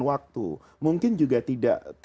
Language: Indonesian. waktu mungkin juga tidak